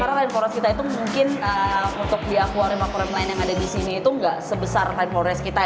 karena rainforest kita itu mungkin untuk di aquarium aquarium lain yang ada di sini itu gak sebesar rainforest kita ya